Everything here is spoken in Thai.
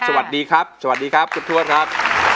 สวัสดีครับสวัสดีครับคุณทวดครับ